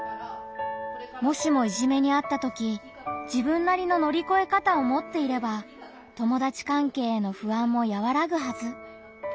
もしもいじめにあったとき自分なりの乗り越え方を持っていれば友達関係への不安もやわらぐはず。